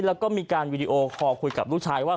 แล้วก็มีการวีดีโอคอลคุยกับลูกชายว่า